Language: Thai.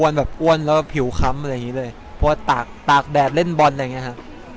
แล้วก็ผิวคล้ำแบบนี้เลยเพราะว่าตากตากแดดเล่นบอลอะไรอย่างเงี้ยฮะ